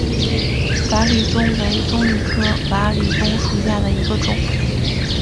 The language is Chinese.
瓦理棕为棕榈科瓦理棕属下的一个种。